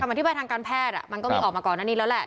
อธิบายทางการแพทย์มันก็มีออกมาก่อนหน้านี้แล้วแหละ